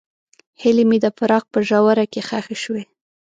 هیلې مې د فراق په ژوره کې ښخې شوې.